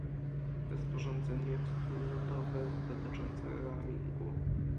Rozporządzenie wspólnotowe dotyczące roamingu